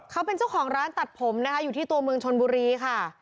เขาเป็นเจ้าของร้านตัดผมนะคะอยู่ที่ตัวเมืองชนบุรีค่ะ